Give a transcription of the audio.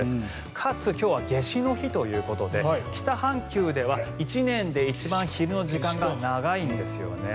かつ今日は夏至の日ということで北半球では１年で一番昼の時間が長いんです。